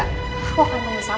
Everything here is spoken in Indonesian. aku akan menyesal